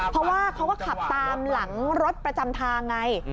เพราะว่าเขาก็ขับตามหลังรถประจำทางไง